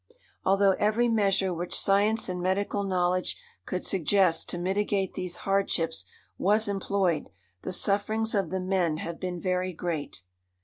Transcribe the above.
"Although every measure which science and medical knowledge could suggest to mitigate these hardships was employed, the sufferings of the men have been very great."